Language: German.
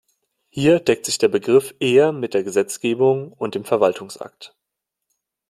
Hier deckt sich der Begriff eher mit der Gesetzgebung und dem Verwaltungsakt.